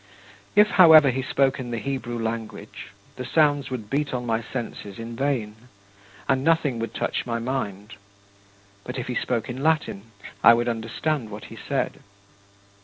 If, however, he spoke in the Hebrew language, the sounds would beat on my senses in vain, and nothing would touch my mind; but if he spoke in Latin, I would understand what he said.